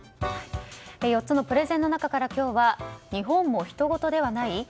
４つのプレゼンの中から今日は日本もひとごとではない？